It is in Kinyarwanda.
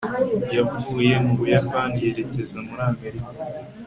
yavuye mu buyapani yerekeza muri amerika